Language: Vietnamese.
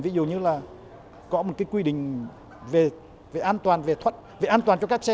ví dụ như là có một cái quy định về an toàn về thuận về an toàn cho các xe